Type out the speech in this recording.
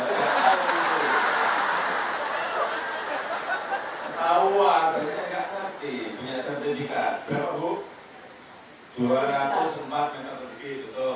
tahu artinya nggak ngerti punya sertifikat berapa bu dua ratus empat meter persegi